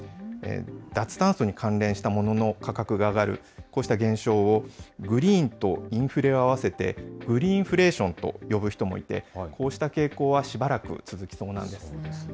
脱炭素に関連した物の価格が上がる、こうした現象を、グリーンとインフレを合わせて、グリーンフレーションと呼ぶ人もいて、こうした傾向はしばらく続きそうなんです。